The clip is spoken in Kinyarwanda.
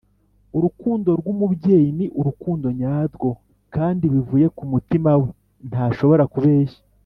urukundo rw'umubyeyi 'ni' urukundo nyarwo, kandi bivuye ku mutima we ntashobora kubeshya.